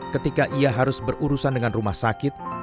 ketika ia harus berurusan dengan rumah sakit